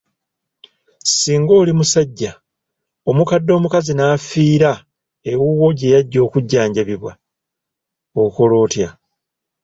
Singa oli musajja, omukadde omukazi n’afiira ewuwo gye yajja okujjanjabibwa okola otya?